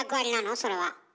それは。